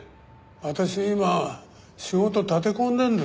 私今仕事立て込んでるんです。